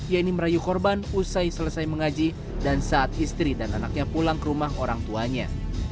yaitu merayu korban usai selesai mengaji dan saat istri dan anaknya pulang ke rumah orang tuanya